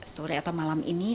sore atau malam ini